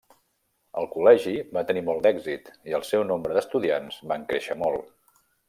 El col·legi va tenir molt d'èxit i el seu nombre d'estudiants van créixer molt.